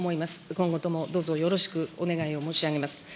今後ともどうぞよろしくお願いを申し上げます。